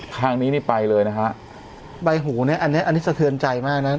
ทางนี้นี่ไปเลยนะฮะใบหูเนี้ยอันนี้อันนี้สะเทือนใจมากนะ